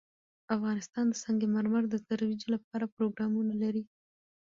افغانستان د سنگ مرمر د ترویج لپاره پروګرامونه لري.